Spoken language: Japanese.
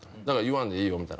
だから言わんでいいよ」